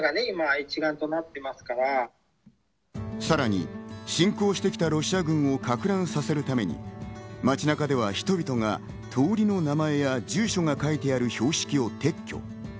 さらに侵攻してきたロシア軍を撹乱させるために街中では人々が通りの名前や住所が書いてある標識を撤去。